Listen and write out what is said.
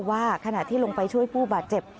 ว่าขณะที่ลงไปช่วยผู้บาดเจ็บ